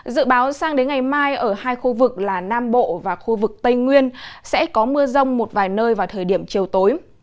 dự báo sang đến ngày mai ở hai khu vực là nam bộ và khu vực tây nguyên sẽ có mưa rông một vài nơi vào thời điểm chiều tối